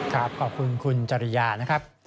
ขอบคุณคุณจริยานะครับ